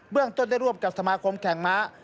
เรื่องต้นได้ร่วมกับสมาคมแข่งม้า